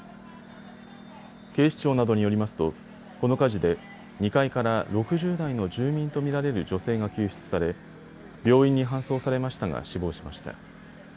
警視庁などによりますとこの火事で２階から６０代の住民と見られる女性が救出され病院に搬送されましたが死亡しました。